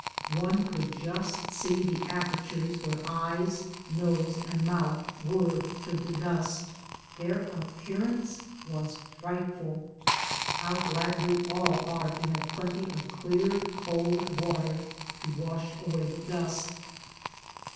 One could just see the apertures where eyes, nose and mouth were through the dust ; their appearance was frightful. How glad we all are to have plenty of clear, cold water to wash away the dust.